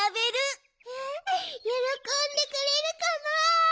よろこんでくれるかな？